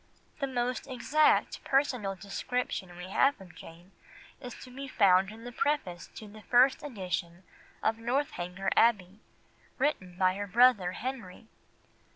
'" The most exact personal description we have of Jane is to be found in the preface to the first edition of Northanger Abbey, written by her brother Henry.